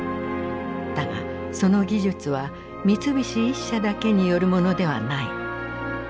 だがその技術は三菱一社だけによるものではない。